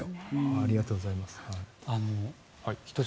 ありがとうございます。